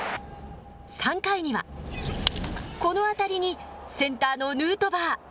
３回には、この当たりに、センターのヌートバー。